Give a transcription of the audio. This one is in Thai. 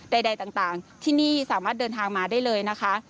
ใดต่างที่นี่สามารถเดินทางมาได้เลยนะคะ